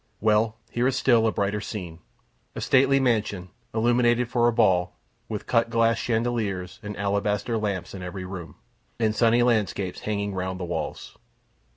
Well; here is still a brighter scene. A stately mansion, illuminated for a ball, with cut glass chandeliers and alabaster lamps in every room, and sunny landscapes hanging round the walls.